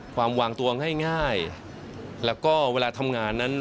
วางตัวง่ายแล้วก็เวลาทำงานนั้น